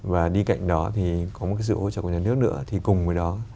và đi cạnh đó thì có một sự hỗ trợ của nhà nước nữa thì cùng với đó